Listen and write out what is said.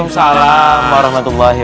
saya juga yang positif ya